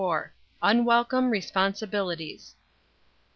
UNWELCOME RESPONSIBILITIES.